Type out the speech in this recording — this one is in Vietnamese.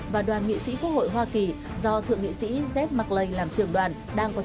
và đoàn nghị sĩ quốc hội hoa kỳ do thượng nghị sĩ jeff mclean làm trường đoàn